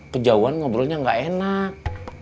kejauhan ngobrolnya gak enak